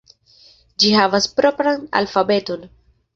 Ĝi havas propran alfabeton.